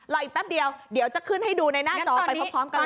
อีกแป๊บเดียวเดี๋ยวจะขึ้นให้ดูในหน้าจอไปพร้อมกัน